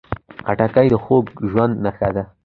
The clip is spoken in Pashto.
خټکی د خوږ ژوند نښه ده.